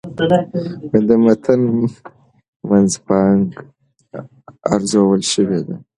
د متن منځپانګه ارزول شوې ده.